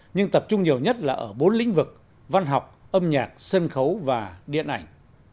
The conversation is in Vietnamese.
nhưng tập trung nhiều nhất là ở bốn lĩnh vực văn học âm nhạc sân khấu và điện ảnh